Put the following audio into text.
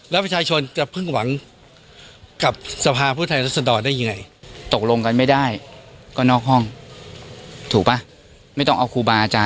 แล้วจับสีหน้าคุณเต้ให้ดีน่ะ